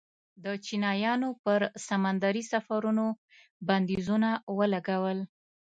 د چینایانو پر سمندري سفرونو بندیزونه ولګول.